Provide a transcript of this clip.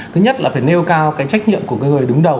thứ nhất là phải nêu cao cái trách nhiệm của cái người đứng đầu